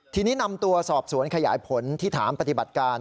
ทีนี้นำตัวสอบสวนขยายผลที่ฐานปฏิบัติการ